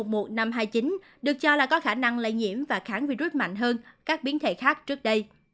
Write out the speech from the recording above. b một một năm trăm hai mươi chín được cho là có khả năng lây nhiễm và kháng virus mạnh hơn các biến thể khác trước đây